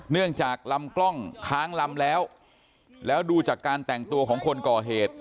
เนื่องจากลำกล้องค้างลำแล้วแล้วดูจากการแต่งตัวของคนก่อเหตุ